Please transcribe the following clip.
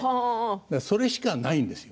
それしかないんですよ。